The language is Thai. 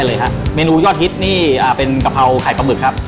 เราก็จะใส่เข้าไปเลยครับ